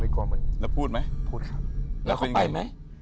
แล้วเข้าไปไหม